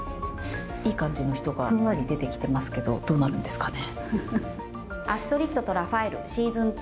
いい感じの人がふんわり出てきてますけどどうなるんですかね。